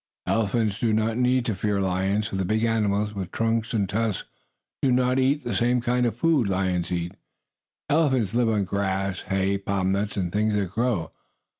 Elephants do not need to fear lions, for the big animals, with trunks and tusks, do not eat the same kind of food lions eat. Elephants live on grass, hay, palm nuts and things that grow.